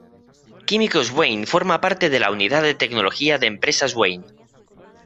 Químicos Wayne forma parte de la unidad de tecnología de Empresas Wayne.